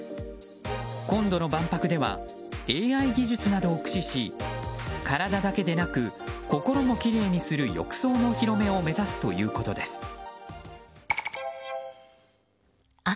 今度の万博ではＡＩ技術などを駆使し体だけでなく、心もきれいにする浴槽のお披露目を目指すということです。